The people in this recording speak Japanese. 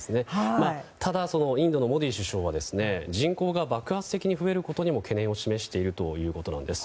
ただインドのモディ首相は人口が爆発的に増えることにも懸念を示しているということです。